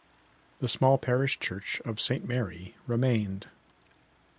The small parish church of Saint Mary remained.